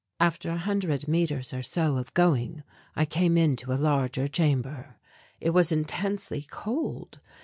After a hundred metres or so of going I came into a larger chamber. It was intensely cold.